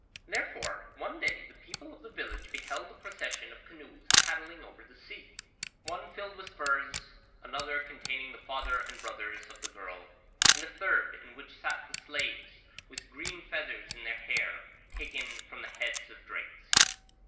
Therefore one day the people of the village beheld a procession of canoes paddling over the sea, one filled with furs, another containing the father and brothers of the girl, and a third, in which sat the slaves with green feathers in their hair, taken from the heads of drakes.